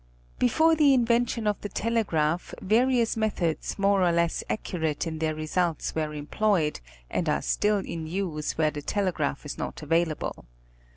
Before the invention of the telegraph various methods more or less accurate in their results were employed, and are still in use where the telegraph is not available.